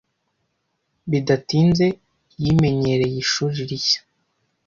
Bidatinze yimenyereye ishuri rishya.